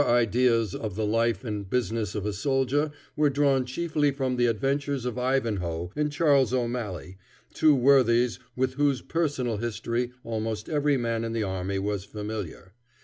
Our ideas of the life and business of a soldier were drawn chiefly from the adventures of Ivanhoe and Charles O'Malley, two worthies with whose personal history almost every man in the army was familiar.